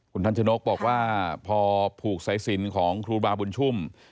คุณทันชนกบอกว่าพอผูกสายสินของครูบาบุญชุ่ม